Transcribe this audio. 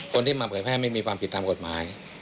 คนที่มาเผยแพร่ไม่มีความผิดตามกฎหมาย